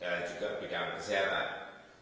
dan juga bidang kesehatan